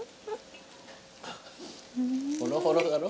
ほろほろだろ？